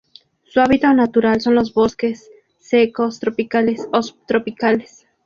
Su hábito natural son los bosques secos tropicales o subtropicales.